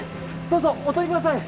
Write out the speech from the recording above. どうぞお通りください